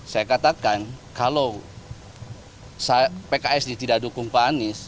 saya katakan kalau pks ini tidak dukung pak anis